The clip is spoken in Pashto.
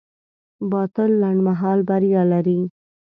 باطل لنډمهاله بریا لري.